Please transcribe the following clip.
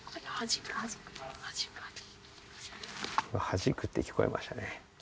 「はじく」って聞こえましたね。